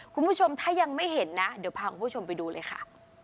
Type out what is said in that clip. คุณผู้ชมถ้ายังไม่เห็นนะเดี๋ยวพาคุณผู้ชมไปดูเลยค่ะ